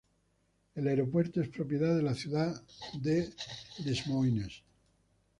El aeropuerto es propiedad de la ciudad de Des Moines.